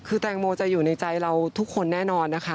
คือแตงโมจะอยู่ในใจเราทุกคนแน่นอนนะคะ